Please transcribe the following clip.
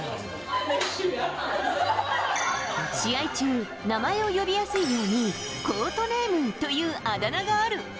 試合中名前を呼びやすいようにコートネームというあだ名がある。